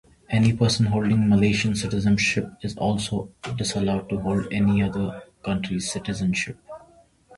Any person holding Malaysian citizenship is also disallowed to hold any other country's citizenship.